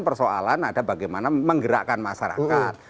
persoalan ada bagaimana menggerakkan masyarakat